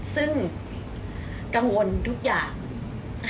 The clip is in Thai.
ซึ่งกังวลทุกอย่าง